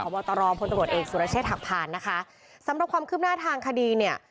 อ๋อเขาบอตรองพทธุปรตเอกสุรเชษฐกพารณ์นะคะสำหรับความครึบหน้าทางคดีเนี่ย